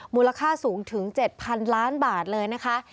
มูลค่าสูงถึง๗๐๐ล้านบาทเลยนะคะ